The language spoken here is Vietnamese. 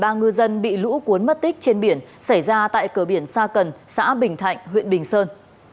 ba ngư dân bị lũ cuốn mất tích trên biển xảy ra tại cửa biển sa cần xã bình thạnh huyện bình sơn